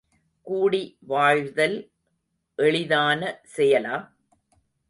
கூடி வாழ்தல் எளிதான செயலா?